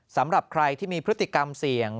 สำหรับใครที่มีพฤติกรรมเสี่ยง